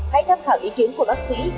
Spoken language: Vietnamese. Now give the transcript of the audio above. hãy tham khảo ý kiến của bác sĩ